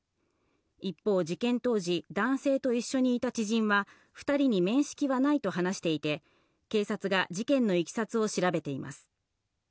一方、事件当時、男性と一緒にいた知人は２人に面識はないと話していて、警察が事件のいきさつを調べています。